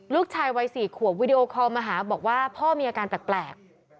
ลูกชายวัย๔ขวบวิดีโอคอลมาหาบอกว่าพ่อมีอาการแปลก